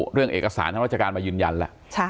เรื่องเอกสารทางราชการมายืนยันแหละ